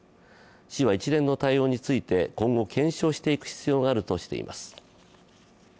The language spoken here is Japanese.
市は一連の対応について今後検証していく必要があるとしています。